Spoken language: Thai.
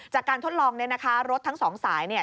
จากการทดลองเนี่ยนะคะรถทั้ง๒สายเนี่ย